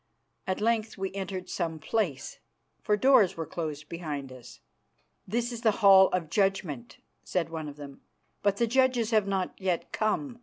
At length we entered some place, for doors were closed behind us. "This is the Hall of Judgment," said one of them, "but the judges have not yet come.